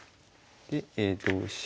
で同飛車。